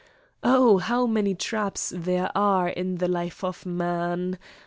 Oh, how many traps there are in the life of man!